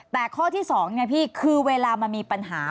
แต่ข้อที่สองเวลามันมีปัญหา